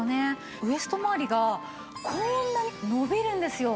ウエストまわりがこんなに伸びるんですよ。